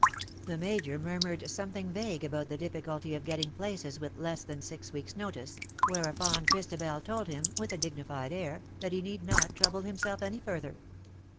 The Major murmured something vague about the difficulty of getting places with less than six weeks' notice, whereupon Christabel told him, with a dignified air, that he need not trouble himself any further.